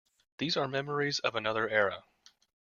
These are memories of another era.